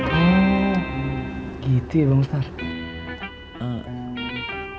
oh gitu ya bang ustadz